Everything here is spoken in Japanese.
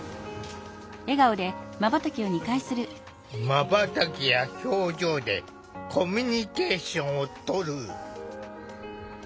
まばたきや表情でコミュニケーションをとる。